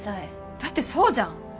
だってそうじゃん！